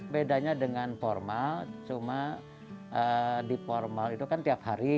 bedanya dengan formal cuma di formal itu kan tiap hari